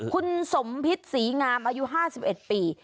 คุณสมพิษศรีงามอายุ๕๑ปี